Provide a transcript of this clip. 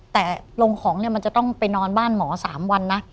แต่ลงของเนี่ยมันจะต้องไปนอนบ้านหมอ๓วันนะ